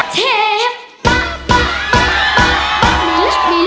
เชฟ